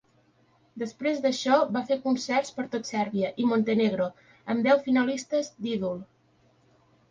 Després d'això, va fer concerts per tot Sèrbia i Montenegro amb deu finalistes d'"Idol".